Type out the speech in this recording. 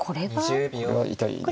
これは痛いですね。